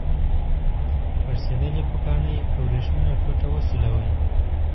پړسیدلې پوکڼۍ په وریښمینه ټوټه وسولوئ.